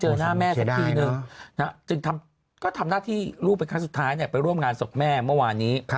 จึงทำหน้าที่ลูกเป็นครั้งสุดท้ายไปร่วมงานสกแม่เมื่อวานี้